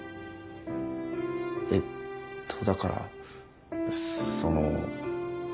えっとだからその。